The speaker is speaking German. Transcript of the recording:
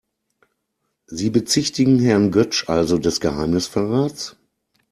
Sie bezichtigen Herrn Götsch also des Geheimnisverrats?